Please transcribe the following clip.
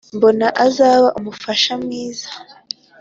mbona azaba umufasha mwiza